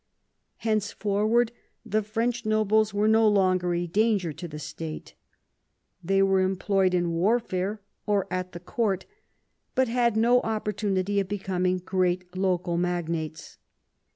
Henceforward the French nobles were no longer a danger to the State. They were employed in warfare or at the court, but had no opportunity of becoming great local magnates.